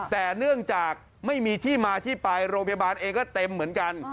แต่เนื่องจากไม่มีที่มาที่ไปโรงพยาบาลเองก็เต็มเหมือนกัน